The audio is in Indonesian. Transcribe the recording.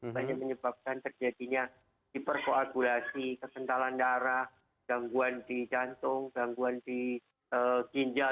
banyak menyebabkan terjadinya hiperkoagulasi kekentalan darah gangguan di jantung gangguan di ginjal